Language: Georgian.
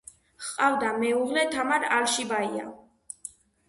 ჰყავდა მეუღლე, თამარ ალშიბაია.